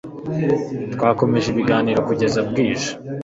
Twakomeje ibiganiro kugeza bwije